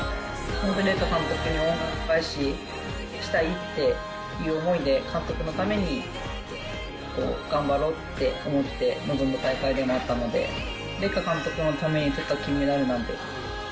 本当に麗華監督に恩返ししたいっていう思いで監督のために、頑張ろうって思って、臨んだ大会でもあったので、麗華監督のためにとった金メダルなんで。